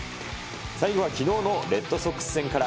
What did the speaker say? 最後はきのうのレッドソックス戦から。